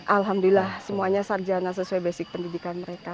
alhamdulillah semuanya sarjana sesuai basic pendidikan mereka